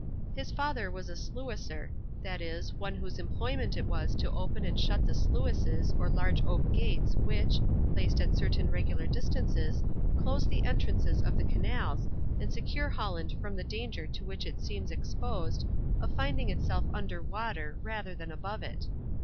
His father was a sluicer that is, one whose employment it was to open and shut the sluices or large oak gates which, placed at certain regular distances, close the entrances of the canals, and secure Holland from the danger to which it seems exposed, of finding itself under water, rather than above it.